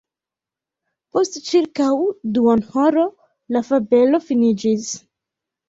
Post ĉirkaŭ duonhoro la fabelo finiĝis.